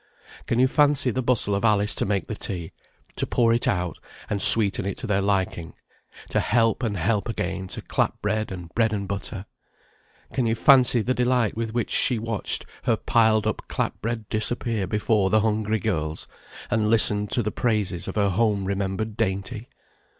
Can you fancy the bustle of Alice to make the tea, to pour it out, and sweeten it to their liking, to help and help again to clap bread and bread and butter? Can you fancy the delight with which she watched her piled up clap bread disappear before the hungry girls, and listened to the praises of her home remembered dainty?